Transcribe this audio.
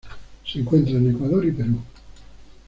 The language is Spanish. Se encuentran en Ecuador y Perú.